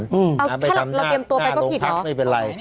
ถ้าคือไปทำในโรงพักเป็นไงก็ผิดเหรอมีไม่เป็นไร